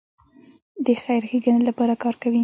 د خیر ښېګڼې لپاره کار کوي.